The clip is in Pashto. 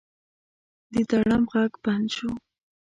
د ډرم غږ بند شو.